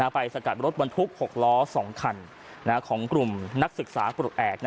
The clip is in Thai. สกัดรถบรรทุก๖ล้อ๒คันของกลุ่มนักศึกษาปลดแอบ